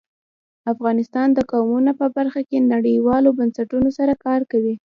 افغانستان د قومونه په برخه کې نړیوالو بنسټونو سره کار کوي.